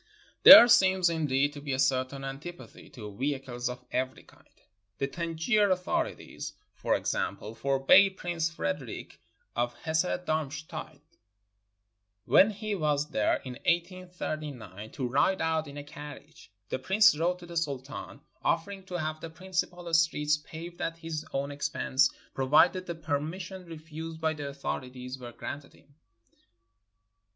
There seems, indeed, to be a certain antipathy to vehicles of every kind. The Tangier authorities, for example, forbade Prince Frederick, of Hesse Darmstadt, when he was there in 1839, to ride out in a carriage. The Prince wrote to the Sultan offering to have the principal streets paved at his own expense, provided the permis sion refused by the authorities were granted him.